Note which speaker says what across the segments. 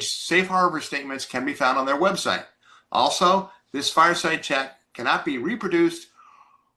Speaker 1: Safe Harbor Statements can be found on their website. Also, this fireside chat cannot be reproduced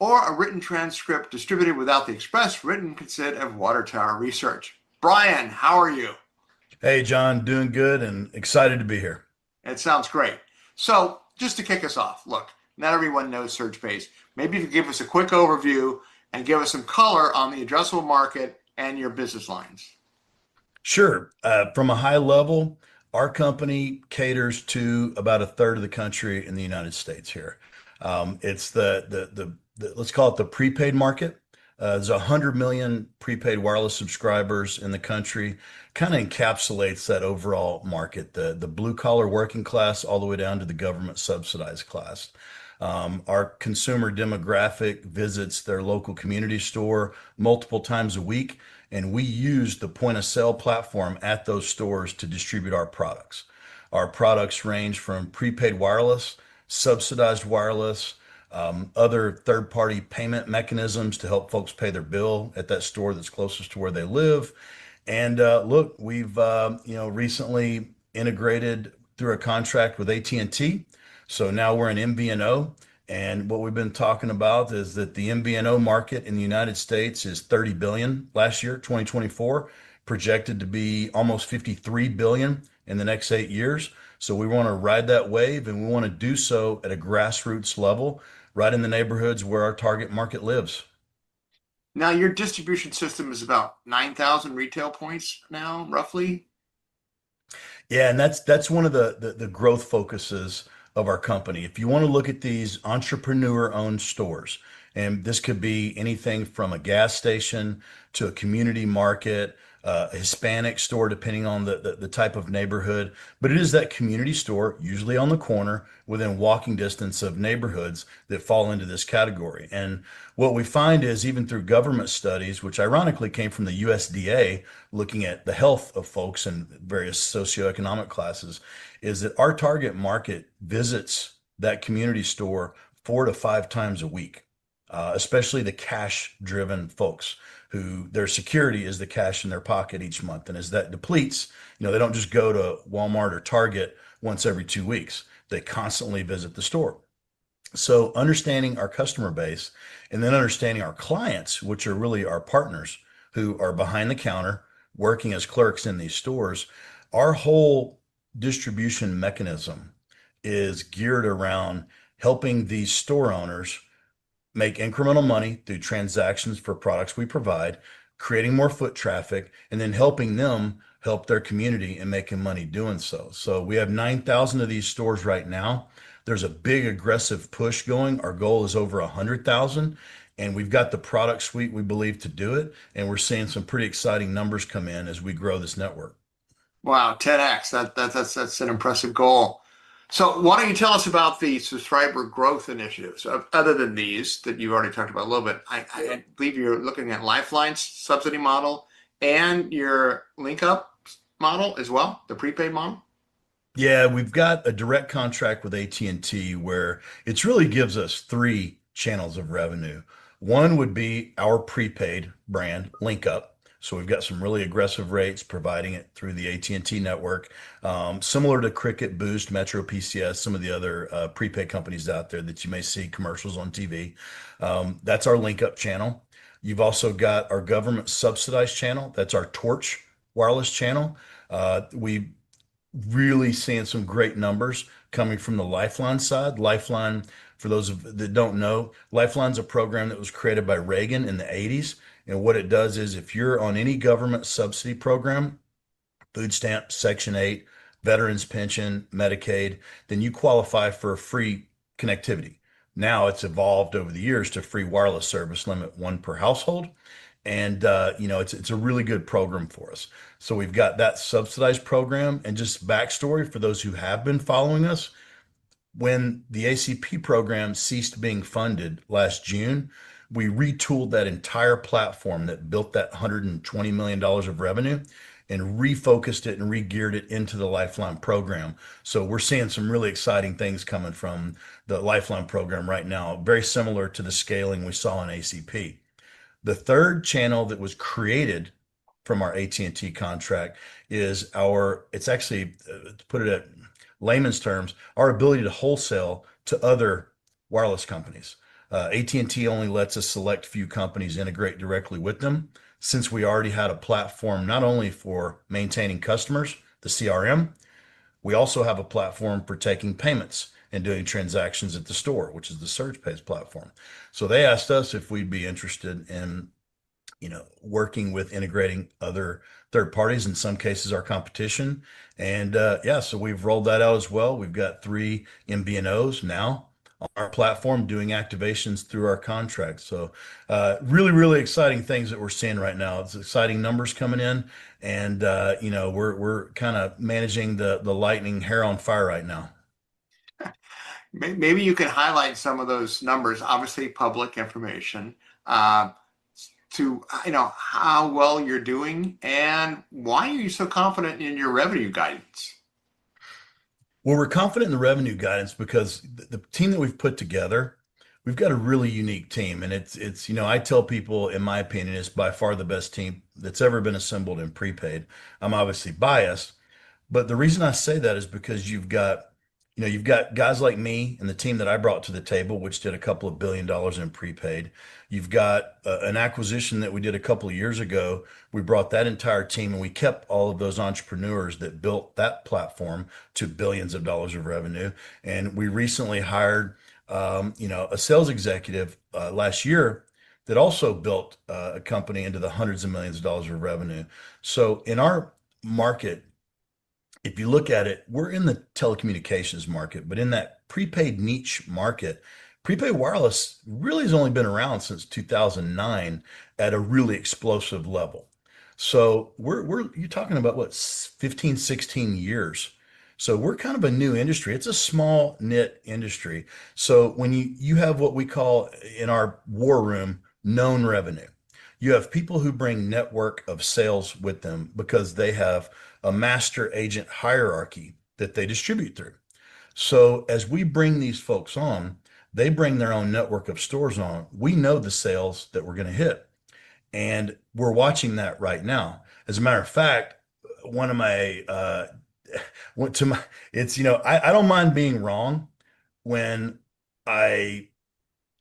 Speaker 1: or a written transcript distributed without the express written consent of Water Tower Research. Brian, how are you?
Speaker 2: Hey, John. Doing good and excited to be here.
Speaker 1: It sounds great. Just to kick us off, look, not everyone knows SurgePays. Maybe you could give us a quick overview and give us some color on the addressable market and your business lines.
Speaker 2: Sure. From a high level, our company caters to about a third of the country in the U.S. here. It's the, let's call it the prepaid market. There's 100 million prepaid wireless subscribers in the country. Kind of encapsulates that overall market, the blue collar working class all the way down to the government subsidized class. Our consumer demographic visits their local community store multiple times a week, and we use the point-of-sale platform at those stores to distribute our products. Our products range from prepaid wireless, subsidized wireless, other third-party payment mechanisms to help folks pay their bill at that store that's closest to where they live. We've recently integrated through a contract with AT&T. Now we're an MVNO, and what we've been talking about is that the MVNO market in the U.S. is $30 billion last year, 2024, projected to be almost $53 billion in the next eight years. We want to ride that wave, and we want to do so at a grassroots level, right in the neighborhoods where our target market lives.
Speaker 1: Now your distribution system is about 9,000 retail points now, roughly?
Speaker 2: Yeah, and that's one of the growth focuses of our company. If you want to look at these entrepreneur-owned stores, and this could be anything from a gas station to a community market, a Hispanic store, depending on the type of neighborhood, but it is that community store, usually on the corner, within walking distance of neighborhoods that fall into this category. What we find is, even through government studies, which ironically came from the USDA, looking at the health of folks in various socioeconomic classes, is that our target market visits that community store four to five times a week, especially the cash-driven folks whose security is the cash in their pocket each month. As that depletes, you know, they don't just go to Walmart or Target once every two weeks. They constantly visit the store. Understanding our customer base, and then understanding our clients, which are really our partners who are behind the counter working as clerks in these stores, our whole distribution mechanism is geared around helping these store owners make incremental money through transactions for products we provide, creating more foot traffic, and then helping them help their community and making money doing so. We have 9,000 of these stores right now. There's a big aggressive push going. Our goal is over 100,000. We've got the product suite we believe to do it. We're seeing some pretty exciting numbers come in as we grow this network.
Speaker 1: Wow, 10x. That's an impressive goal. Why don't you tell us about the subscriber growth initiatives? Other than these that you've already talked about a little bit, I believe you're looking at the Lifeline program's subsidy model and your LinkUp model as well, the prepaid model?
Speaker 2: Yeah, we've got a direct contract with AT&T where it really gives us three channels of revenue. One would be our prepaid brand, LinkUp. We've got some really aggressive rates providing it through the AT&T network, similar to Cricket, Boost, MetroPCS, some of the other prepaid companies out there that you may see commercials on TV. That's our LinkUp channel. You've also got our government-subsidized channel. That's our Torch Wireless channel. We've really seen some great numbers coming from the Lifeline side. Lifeline, for those of you that don't know, Lifeline is a program that was created by Reagan in the 1980s. What it does is if you're on any government subsidy program, food stamps, Section 8, Veterans Pension, Medicaid, then you qualify for free connectivity. Now it's evolved over the years to free wireless service, limit one per household. It's a really good program for us. We've got that subsidized program. Just backstory for those who have been following us, when the ACP ceased being funded last June, we retooled that entire platform that built that $120 million of revenue and refocused it and regeared it into the Lifeline program. We're seeing some really exciting things coming from the Lifeline program right now, very similar to the scaling we saw in the ACP. The third channel that was created from our AT&T contract is our, it's actually, to put it in layman's terms, our ability to wholesale to other wireless companies. AT&T only lets a select few companies integrate directly with them. Since we already had a platform not only for maintaining customers, the CRM, we also have a platform for taking payments and doing transactions at the store, which is the SurgePays platform. They asked us if we'd be interested in working with integrating other third parties, in some cases our competition. We've rolled that out as well. We've got three MVNOs now on our platform doing activations through our contract. Really, really exciting things that we're seeing right now. It's exciting numbers coming in. We're kind of managing the lightning hair on fire right now.
Speaker 1: Maybe you can highlight some of those numbers, obviously public information, to how well you're doing and why are you so confident in your revenue guidance?
Speaker 2: We're confident in the revenue guidance because the team that we've put together, we've got a really unique team. I tell people, in my opinion, it's by far the best team that's ever been assembled in prepaid. I'm obviously biased. The reason I say that is because you've got guys like me and the team that I brought to the table, which did a couple of billion dollars in prepaid. You've got an acquisition that we did a couple of years ago. We brought that entire team and we kept all of those entrepreneurs that built that platform to billions of dollars of revenue. We recently hired a sales executive last year that also built a company into the hundreds of millions of dollars of revenue. In our market, if you look at it, we're in the telecommunications market, but in that prepaid niche market, prepaid wireless really has only been around since 2009 at a really explosive level. You're talking about what, 15, 16 years. We're kind of a new industry. It's a small-knit industry. When you have what we call in our war room, known revenue, you have people who bring a network of sales with them because they have a master agent hierarchy that they distribute through. As we bring these folks on, they bring their own network of stores on, we know the sales that we're going to hit. We're watching that right now. As a matter of fact, one of my, it's, I don't mind being wrong when I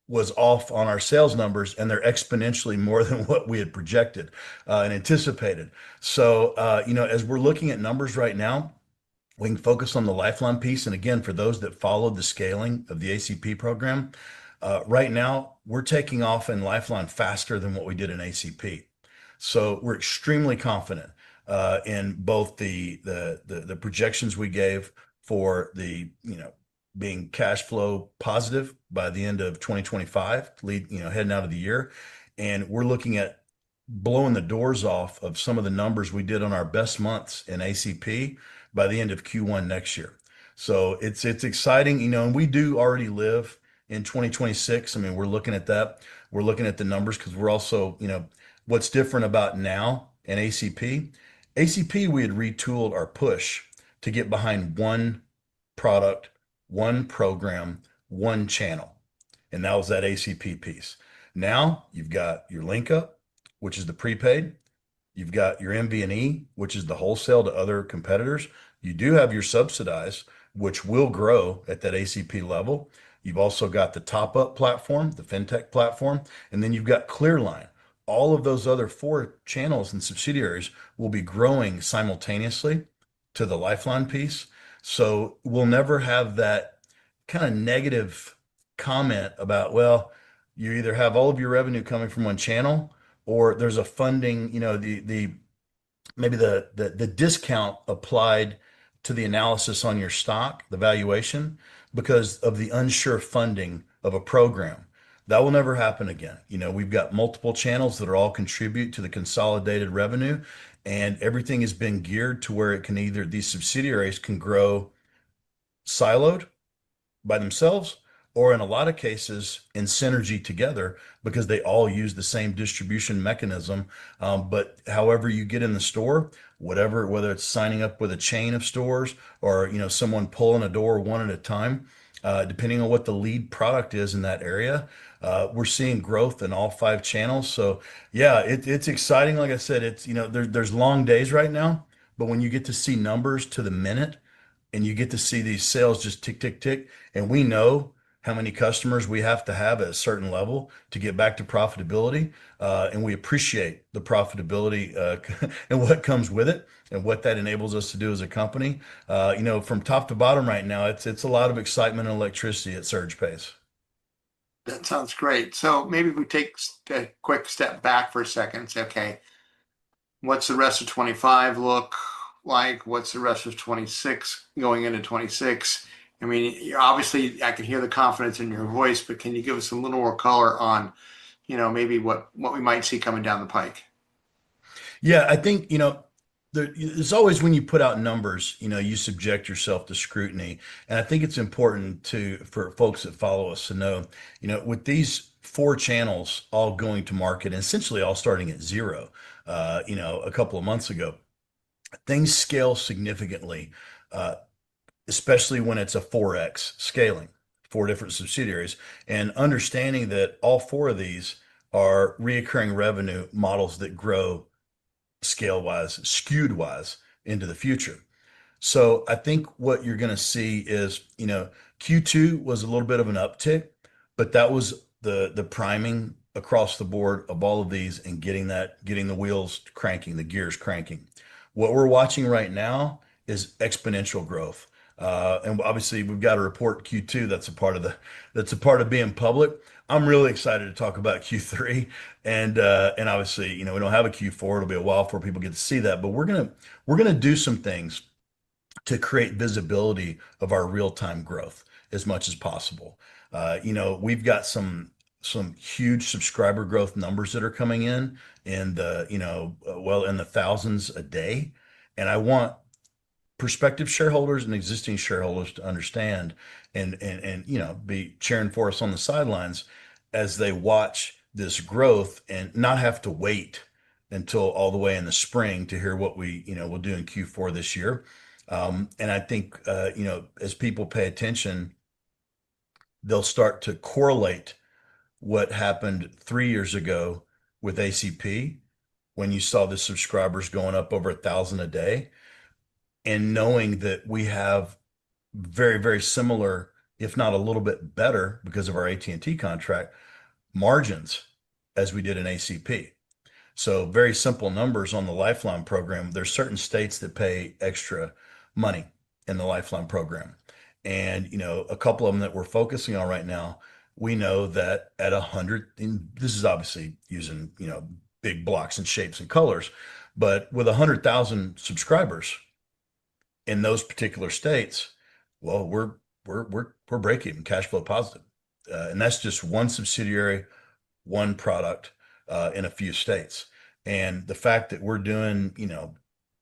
Speaker 2: was off on our sales numbers and they're exponentially more than what we had projected and anticipated. As we're looking at numbers right now, we can focus on the Lifeline piece. Again, for those that followed the scaling of the Affordable Connectivity Program, right now we're taking off in Lifeline faster than what we did in the ACP. We're extremely confident in both the projections we gave for the, you know, being cash flow positive by the end of 2025, heading out of the year. We're looking at blowing the doors off of some of the numbers we did on our best months in the ACP by the end of Q1 next year. It's exciting, and we do already live in 2026. I mean, we're looking at that. We're looking at the numbers because we're also, you know, what's different about now in the ACP, ACP we had retooled our push to get behind one product, one program, one channel. That was that ACP piece. Now you've got your LinkUp, which is the prepaid. You've got your MVNE, which is the wholesale to other competitors. You do have your subsidized, which will grow at that ACP level. You've also got the top-up platform, the fintech platform, and then you've got ClearLine. All of those other four channels and subsidiaries will be growing simultaneously to the Lifeline piece. We'll never have that kind of negative comment about, well, you either have all of your revenue coming from one channel or there's a funding, you know, maybe the discount applied to the analysis on your stock, the valuation, because of the unsure funding of a program. That will never happen again. We've got multiple channels that all contribute to the consolidated revenue, and everything has been geared to where it can either be subsidiaries can grow siloed by themselves, or in a lot of cases, in synergy together because they all use the same distribution mechanism. However you get in the store, whether it's signing up with a chain of stores or someone pulling a door one at a time, depending on what the lead product is in that area, we're seeing growth in all five channels. It's exciting. Like I said, there's long days right now, but when you get to see numbers to the minute and you get to see these sales just tick, tick, tick, and we know how many customers we have to have at a certain level to get back to profitability. We appreciate the profitability, and what comes with it and what that enables us to do as a company. From top to bottom right now, it's a lot of excitement and electricity at SurgePays.
Speaker 1: That sounds great. Maybe we take a quick step back for a second and say, okay, what's the rest of 2025 look like? What's the rest of 2026 going into 2026? I mean, you're obviously, I can hear the confidence in your voice, but can you give us a little more color on what we might see coming down the pike?
Speaker 2: Yeah, I think, you know, there's always, when you put out numbers, you know, you subject yourself to scrutiny. I think it's important for folks that follow us to know, you know, with these four channels all going to market and essentially all starting at zero, you know, a couple of months ago, things scale significantly, especially when it's a 4X scaling, four different subsidiaries, and understanding that all four of these are recurring revenue models that grow scale-wise, skewed-wise into the future. I think what you're going to see is, you know, Q2 was a little bit of an uptick, but that was the priming across the board of all of these and getting the wheels cranking, the gears cranking. What we're watching right now is exponential growth. Obviously we've got to report Q2, that's a part of being public. I'm really excited to talk about Q3. Obviously, you know, we don't have a Q4. It'll be a while before people get to see that, but we're going to do some things to create visibility of our real-time growth as much as possible. You know, we've got some huge subscriber growth numbers that are coming in, and, you know, well, in the thousands a day. I want prospective shareholders and existing shareholders to understand and, you know, be cheering for us on the sidelines as they watch this growth and not have to wait until all the way in the spring to hear what we, you know, we'll do in Q4 this year. I think, you know, as people pay attention, they'll start to correlate what happened three years ago with the ACP when you saw the subscribers going up over a thousand a day and knowing that we have very, very similar, if not a little bit better because of our AT&T contract margins as we did in the ACP. Very simple numbers on the Lifeline program. There are certain states that pay extra money in the Lifeline program. A couple of them that we're focusing on right now, we know that at 100,000 subscribers in those particular states, we're breaking cash flow positive. That's just one subsidiary, one product, in a few states. The fact that we're doing, you know,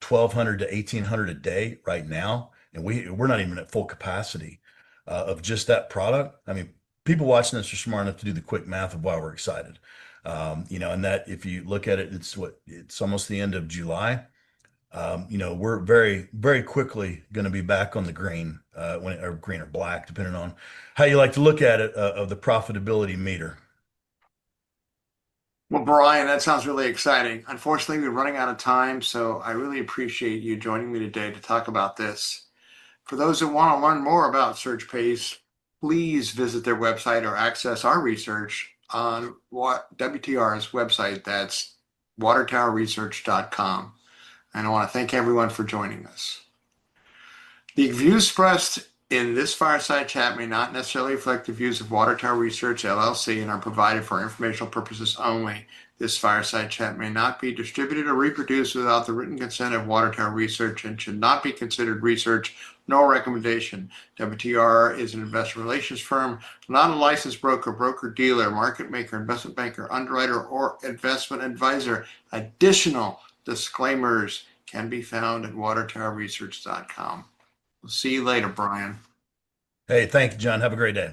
Speaker 2: 1,200 - 1,800 a day right now, and we're not even at full capacity, of just that product. I mean, people watching us are smart enough to do the quick math of why we're excited. You know, if you look at it, it's what, it's almost the end of July. We're very, very quickly going to be back on the green, or green or black, depending on how you like to look at it, of the profitability meter.
Speaker 1: Brian, that sounds really exciting. Unfortunately, we're running out of time, so I really appreciate you joining me today to talk about this. For those that want to learn more about SurgePays, please visit their website or access our research on WTR's website. That's watertowerresearch.com. I want to thank everyone for joining us. The views expressed in this fireside chat may not necessarily reflect the views of Water Tower Research LLC and are provided for informational purposes only. This fireside chat may not be distributed or reproduced without the written consent of Water Tower Research and should not be considered research nor recommendation. WTR is an investor relations firm, not a licensed broker, broker-dealer, market-maker, investment-banker, underwriter, or investment advisor. Additional disclaimers can be found at watertowerresearch.com. We'll see you later, Brian.
Speaker 2: Hey, thank you, John. Have a great day.